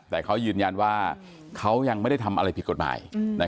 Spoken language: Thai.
แต่เขายืนยันว่าเขายังไม่ได้ทำอะไรผิดกฎหมาย